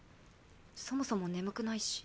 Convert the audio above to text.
そもそも眠くないし。